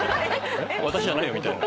私じゃないよみたいな。